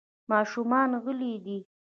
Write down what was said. ماشومان غلي دي .